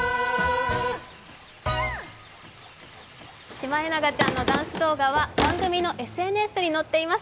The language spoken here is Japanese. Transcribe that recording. シマエナガちゃんのダンス動画は番組ＳＮＳに載っています。